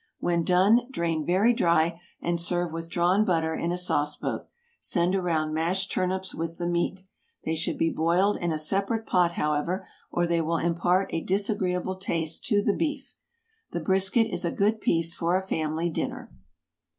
When done, drain very dry, and serve with drawn butter in a sauce boat. Send around mashed turnips with the meat. They should be boiled in a separate pot, however, or they will impart a disagreeable taste to the beef. The brisket is a good piece for a family dinner.